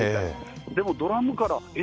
でもドラムから、え？